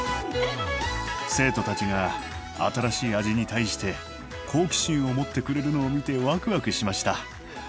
生徒たちが新しい味に対して好奇心を持ってくれるのを見てワクワクしました。